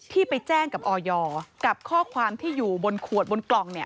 ไปแจ้งกับออยกับข้อความที่อยู่บนขวดบนกล่องเนี่ย